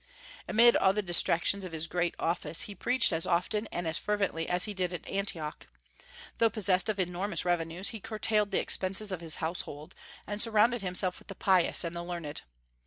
Amid all the distractions of his great office he preached as often and as fervently as he did at Antioch. Though possessed of enormous revenues, he curtailed the expenses of his household, and surrounded himself with the pious and the learned.